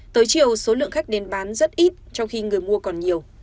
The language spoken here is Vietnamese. tới chiều số lượng khách đến bán rất ít trong khi người mua còn nhiều